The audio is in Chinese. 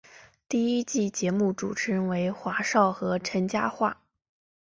第一季节目主持人为华少和陈嘉桦。